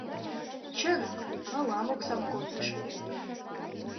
Чынак, мылам оксам кондыш.